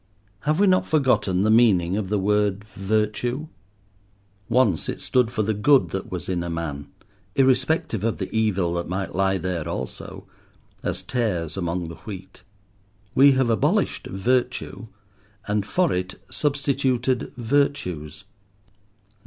Have we not forgotten the meaning of the word "virtue"? Once it stood for the good that was in a man, irrespective of the evil that might lie there also, as tares among the wheat. We have abolished virtue, and for it substituted virtues.